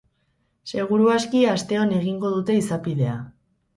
Seguru aski asteon egingo dute izapidea.